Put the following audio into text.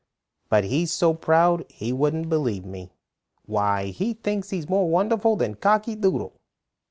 "But he's so proud he wouldn't believe me. Why, he thinks he's more wonderful than Cocky Doodle."